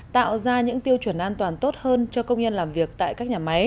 tạo ra những tiêu chuẩn an toàn tốt hơn cho công nhân làm việc